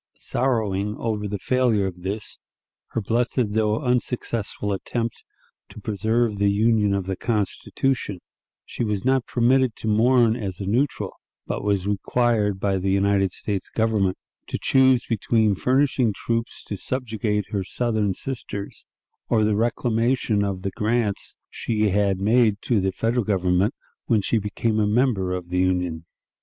Sorrowing over the failure of this, her blessed though unsuccessful attempt to preserve the Union of the Constitution, she was not permitted to mourn as a neutral, but was required by the United States Government to choose between furnishing troops to subjugate her Southern sisters or the reclamation of the grants she had made to the Federal Government when she became a member of the Union.